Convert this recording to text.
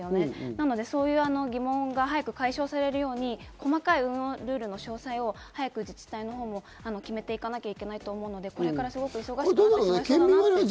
なので、そういう疑問が早く解消されるように細かいルールの詳細を早く自治体のほうも決めていかなければいけないと思うので、これからすごく忙しいんじゃないかなと思いますけど。